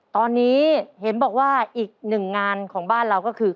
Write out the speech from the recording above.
ตอนนี้เห็นบอกว่าอีกหนึ่งงานของบ้านเราก็คือ